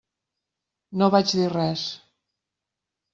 No vaig dir res.